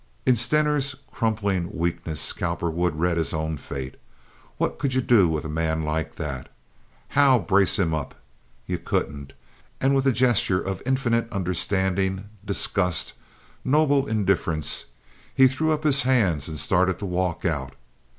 In Stener's crumpling weakness Cowperwood read his own fate. What could you do with a man like that? How brace him up? You couldn't! And with a gesture of infinite understanding, disgust, noble indifference, he threw up his hands and started to walk out.